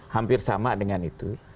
hampir sama dengan itu